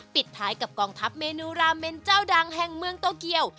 ปิดท้ายกับกองทัพเมนูราเมนเจ้าดังแห่งเมืองโตเกียว